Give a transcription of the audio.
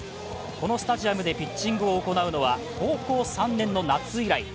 このスタジアムでピッチングを行うのは高校３年の夏以来。